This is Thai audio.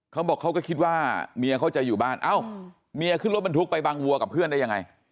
เขาบอกเขาก็คิดว่าเมียเขาจะอยู่บ้านเอ้าเมียขึ้นรถบรรทุกไปบางวัวกับเพื่อนได้ยังไง